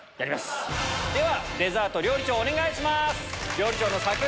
ではデザート料理長お願いします。